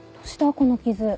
この傷。